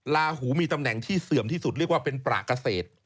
ลาหูมีตำแหน่งที่เสื่อมที่สุดเรียกว่าเป็นประเกษตร